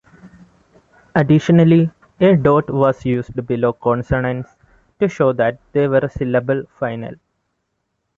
Additionally, a dot was used below consonants to show that they were syllable-final.